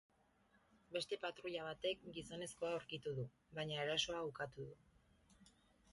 Beste patruila batek gizonezkoa aurkitu du, baina erasoa ukatu du.